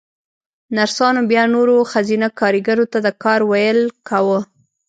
نرسانو بيا نورو ښځينه کاريګرو ته د کار ويل کاوه.